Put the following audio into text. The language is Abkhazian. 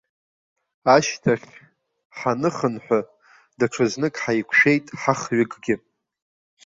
Ашьҭахь, ҳаныхынҳәы, даҽазнык ҳаиқәшәеит ҳахҩыкгьы.